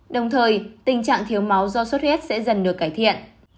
đồng thời tình trạng thiếu máu do sốt huyết sẽ dần được cải thiện